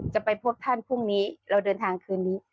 จะไปพบท่านพรุ่งนี้เราเดินทางคืนนี้